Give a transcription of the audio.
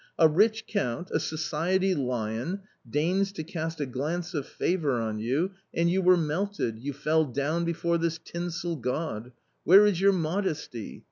A rich count, a society lion, deigns to cast a glance of favour on you, and you were melted, you fell down before this tinsel god ; where is your modesty